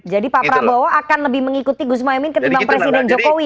jadi pak prabowo akan lebih mengikuti gus muhaymin ketimbang presiden jokowi ya